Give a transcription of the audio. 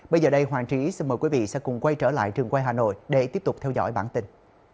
bây giờ đây hoàng trí xin mời quý vị sẽ cùng quay trở lại trường quay hà nội để tiếp tục theo dõi bản tin